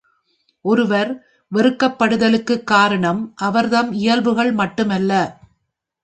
ஒருவர் வெறுக்கப்படுதலுக்குக் காரணம் அவர்தம் இயல்புகள் மட்டுமல்ல.